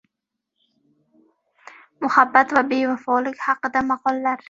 Muhabbat va bevafolik haqida maqollar.